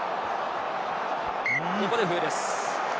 ここで笛です。